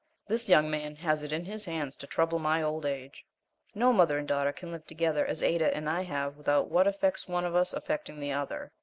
This young man has it in his hands to trouble my old age. No mother and daughter can live together as Ada and I have without what affects one of us affecting the other.